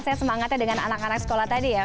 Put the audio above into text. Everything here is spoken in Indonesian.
saya semangatnya dengan anak anak sekolah tadi ya